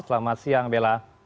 selamat siang bella